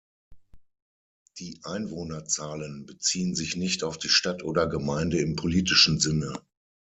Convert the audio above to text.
Die Einwohnerzahlen beziehen sich nicht auf die Stadt oder Gemeinde im politischen Sinne.